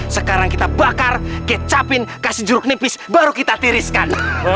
sekarang kita bakar kecapin kasih jeruk nipis baru kita tiriskan